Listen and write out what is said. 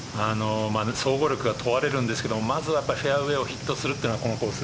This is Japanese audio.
総合力が問われるんですがまずはフェアウェイをヒットするのがこのコース